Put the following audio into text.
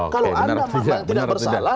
kalau anda tidak bersalah